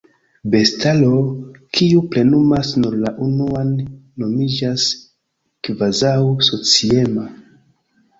Bestaro, kiu plenumas nur la unuan, nomiĝas kvazaŭ-sociema.